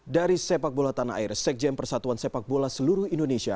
dari sepak bola tanah air sekjen persatuan sepak bola seluruh indonesia